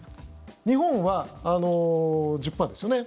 日本は１０％ですよね。